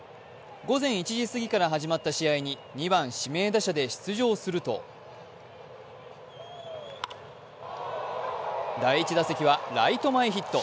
午前１時すぎから始まった試合に２番・指名打者で出場すると第１打席はライト前ヒット。